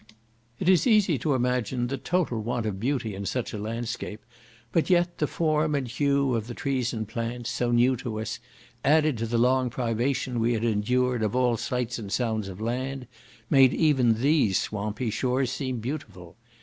It is easy to imagine the total want of beauty in such a landscape; but yet the form and hue of the trees and plants, so new to us, added to the long privation we had endured of all sights and sounds of land, made even these swampy shores seem beautiful.